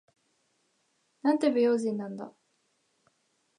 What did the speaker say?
なんて不用心なんだ。